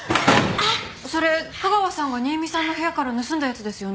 それ架川さんが新見さんの部屋から盗んだやつですよね？